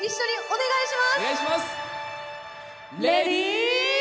お願いします！